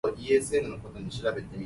母